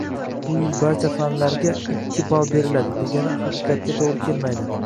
Bu yil barcha fanlarga ikki ball beriladi, degani haqiqatga to'g'ri kelmaydi